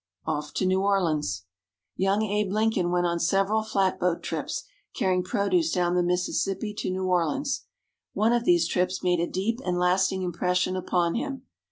OFF TO NEW ORLEANS Young Abe Lincoln went on several flatboat trips carrying produce down the Mississippi to New Orleans. One of these trips made a deep and lasting impression upon him.